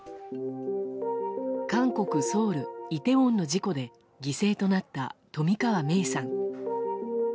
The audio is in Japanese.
韓国ソウル・イテウォンの事故で犠牲となった冨川芽生さん。